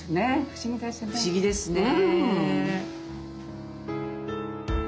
不思議ですね。